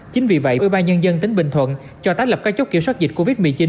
chính vì vậy ubnd tính bình thuận cho tác lập các chốt kiểm soát dịch covid một mươi chín